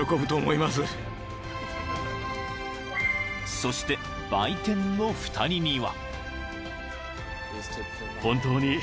［そして売店の２人には］